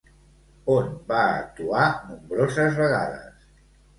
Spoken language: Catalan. On va actuar nombroses vegades?